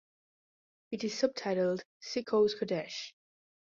It is subtitled "Sichos Kodesh".